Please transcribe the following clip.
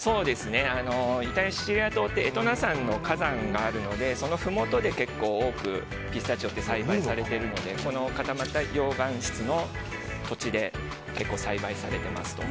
イタリアのシチリア島って火山があるのでそのふもとで結構多くピスタチオって栽培されているのでこの固まった溶岩質の土地で栽培されています。